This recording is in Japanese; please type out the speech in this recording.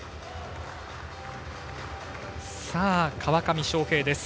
さあ、川上翔平です。